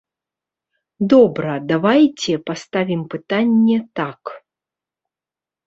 Добра, давайце паставім пытанне так.